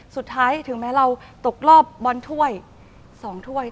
สุดท้ายถึงแม้เราตกรอบบอลถ้วย๒ถ้วย